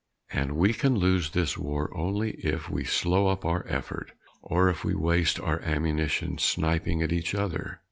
And we can lose this war only if use slow up our effort or if we waste our ammunition sniping at each other.